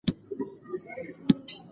ایا ته غواړې نوي مهارت زده کړې؟